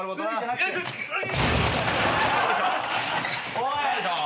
おい！